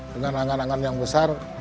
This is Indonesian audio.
dengan angan angan yang besar